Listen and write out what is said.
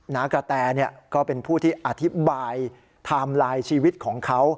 นากระแตก็เป็นผู้ที่อธิบายไทม์ไลน์ชีวิตของเขา